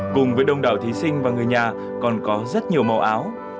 cùng với đông đảo thí sinh và người nhà còn có rất nhiều màu áo